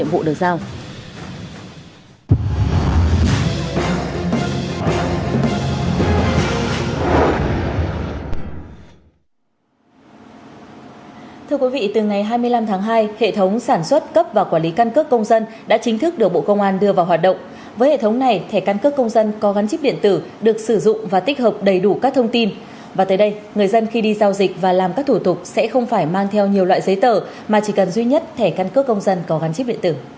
thưa quý vị từ ngày hai mươi năm tháng hai hệ thống sản xuất cấp và quản lý căn cước công dân đã chính thức được bộ công an đưa vào hoạt động với hệ thống này thẻ căn cước công dân có gắn chip điện tử được sử dụng và tích hợp đầy đủ các thông tin và tới đây người dân khi đi giao dịch và làm các thủ tục sẽ không phải mang theo nhiều loại giấy tờ mà chỉ cần duy nhất thẻ căn cước công dân có gắn chip điện tử